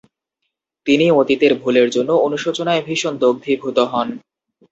তিনি অতীতের ভুলের জন্য অনুশোচনায় ভীষণ দগ্ধিভূত হন।